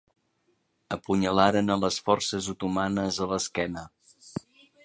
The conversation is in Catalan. Apunyalaren a les forces otomanes a l'esquena.